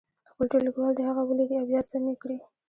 خپل ټولګیوال دې هغه ولیکي او بیا سم یې کړي.